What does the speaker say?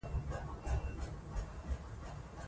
خطرونه باید وپېژندل شي.